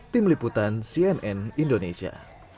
tim liputan cnn indonesia